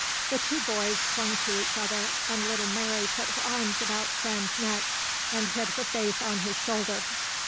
The two boys clung to each other and little Mary put her arms about Sam's neck and hid her face on his shoulder.